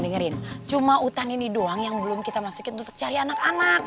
dengerin cuma utan ini doang yang belum kita masukin untuk cari anak anak